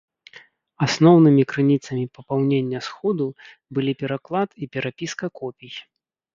Асноўнымі крыніцамі папаўнення сходу былі пераклад і перапіска копій.